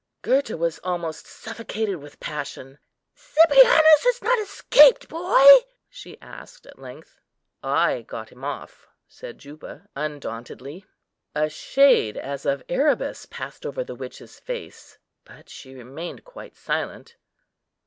Gurta was almost suffocated with passion. "Cyprianus has not escaped, boy?" she asked at length. "I got him off," said Juba, undauntedly. A shade, as of Erebus, passed over the witch's face; but she remained quite silent.